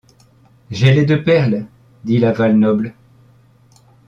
J’ai les deux perles ! dit la Val-Noble.